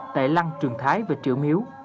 tại lăng trường thái và triệu miếu